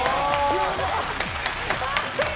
すごい！